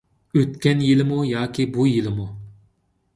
ئۆتكەن يىلمۇ ياكى بۇ يىلمۇ؟